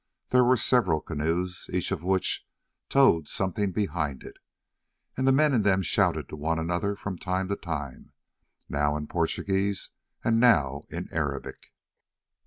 There were several canoes, each of which towed something behind it, and the men in them shouted to one another from time to time, now in Portuguese and now in Arabic.